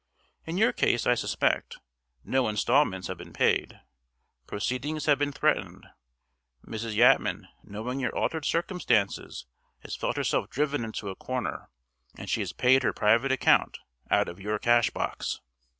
In your case, I suspect, no installments have been paid; proceedings have been threatened; Mrs. Yatman, knowing your altered circumstances, has felt herself driven into a corner, and she has paid her private account out of your cash box."